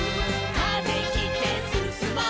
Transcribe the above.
「風切ってすすもう」